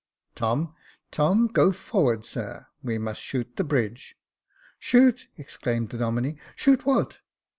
Tom, Tom, go forward, sir ; we must shoot the bridge." " Shoot !" exclaimed the Domine j shoot what